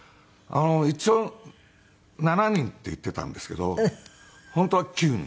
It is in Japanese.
一応７人って言っていたんですけど本当は９人。